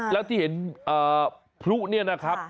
แล้วที่เห็นพลุเนี่ยนะครับ